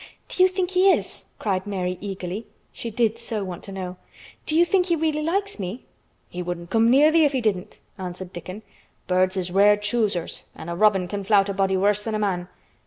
"Do you think he is?" cried Mary eagerly. She did so want to know. "Do you think he really likes me?" "He wouldn't come near thee if he didn't," answered Dickon. "Birds is rare choosers an' a robin can flout a body worse than a man.